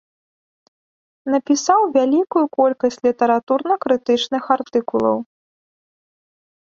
Напісаў вялікую колькасць літаратурна-крытычных артыкулаў.